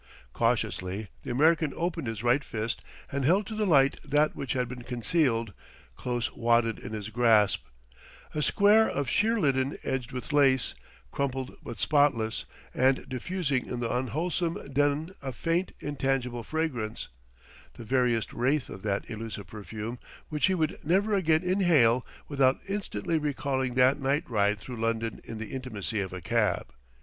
Cautiously the American opened his right fist and held to the light that which had been concealed, close wadded in his grasp, a square of sheer linen edged with lace, crumpled but spotless, and diffusing in the unwholesome den a faint, intangible fragrance, the veriest wraith of that elusive perfume which he would never again inhale without instantly recalling that night ride through London in the intimacy of a cab.